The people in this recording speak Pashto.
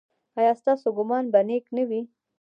ایا ستاسو ګمان به نیک نه وي؟